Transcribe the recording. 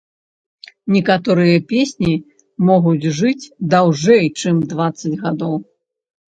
Некаторыя песні могуць жыць даўжэй, чым дваццаць гадоў.